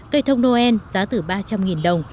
cây thông noel giá từ ba trăm linh đồng